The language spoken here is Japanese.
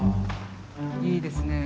いいですねえ。